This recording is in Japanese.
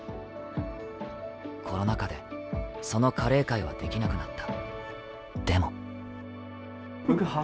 コロナ禍で、そのカレー会はできなくなった。